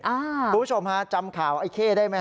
คุณผู้ชมฮะจำข่าวไอ้เข้ได้ไหม